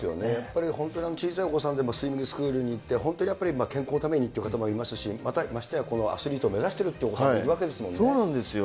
本当に小さいお子さんでもスイミングスクールに行って、本当にやっぱり、健康のためにという方もいますし、またやアスリートを目指しているというお子さんもいるわけですもそうなんですよ。